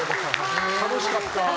楽しかった。